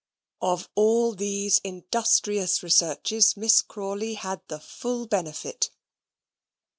Of all these industrious researches Miss Crawley had the full benefit.